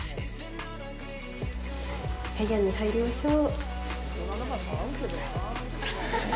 部屋に入りましょう。